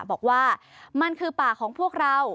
บอกว่ามันคือป่าของพวกเรา